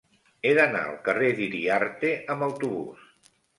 He d'anar al carrer d'Iriarte amb autobús.